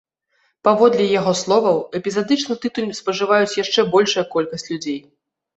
Паводле яго словаў, эпізадычна тытунь спажываюць яшчэ большая колькасць людзей.